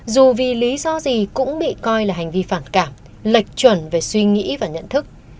dù vì lý do gì cũng bị coi là hành vi phản cảm lệch chuẩn về suy nghĩ và nhận thức